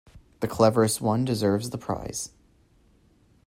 The cleverest one deserves the prize.